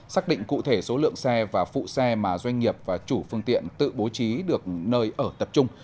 xác định cụ thể số lượng xe và phụ xe mà doanh nghiệp và chủ phương tiện tự bố trí được nơi ở tập trung